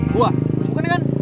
gua bukan kan